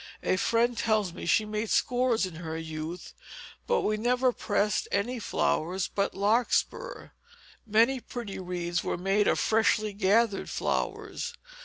A friend tells me she made scores in her youth; but we never pressed any flowers but larkspur. Many pretty wreaths were made of freshly gathered flowers.